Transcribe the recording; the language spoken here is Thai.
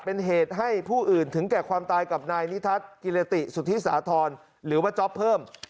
เป็นเหตุให้ผู้อื่นถึงแก่ความตายกับนายนิทัศน์กิรติสุธิสาธรณ์หรือว่าจ๊อปเพิ่ม